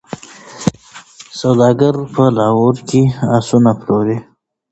سوداګر په لاهور کي آسونه پلوري.